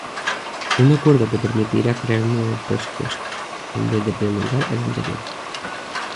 Un acuerdo que permitirá crear un nuevo presupuesto, en vez de prolongar el anterior.